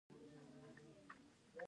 په ډیر زیار او زحمت.